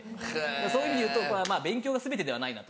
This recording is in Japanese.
そういう意味でいうと勉強が全てではないなと。